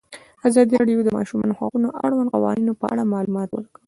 ازادي راډیو د د ماشومانو حقونه د اړونده قوانینو په اړه معلومات ورکړي.